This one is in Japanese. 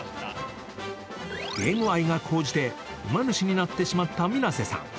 ゲーム愛が高じて馬主になってしまった水無瀬さん。